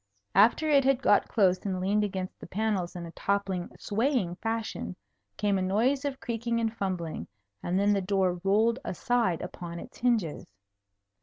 After it had got close and leaned against the panels in a toppling, swaying fashion, came a noise of creaking and fumbling, and then the door rolled aside upon its hinges.